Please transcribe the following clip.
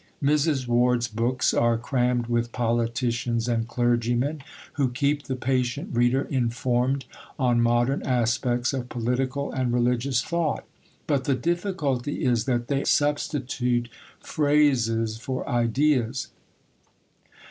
Mrs. Ward's books are crammed with politicians and clergymen, who keep the patient reader informed on modern aspects of political and religious thought; but the difficulty is that they substitute phrases for ideas.